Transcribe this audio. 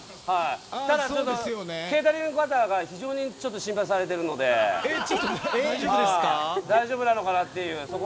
ただ、ケータリングの方が非常に心配されているので大丈夫なのかなっていう。